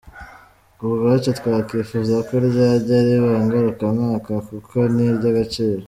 Ku bwacu twakifuza ko ryajya riba ngarukamwaka kuko ni iry’agaciro.